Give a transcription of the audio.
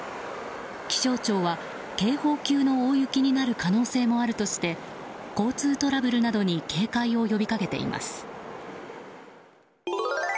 気象庁は警報級の大雪になる可能性もあるとして交通トラブルなどに警戒を呼びかけています。